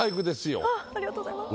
ありがとうございます。